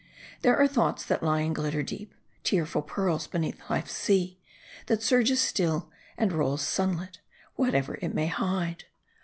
There are thoughts that lie and glitter deep : tearful pearls beneath life's sea, that surges still, and rolls sunlit, whatever it may hide.